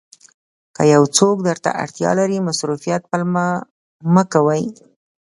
که یو څوک درته اړتیا لري مصروفیت پلمه مه کوئ.